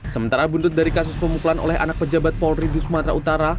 sementara buntut dari kasus pemukulan oleh anak pejabat polri di sumatera utara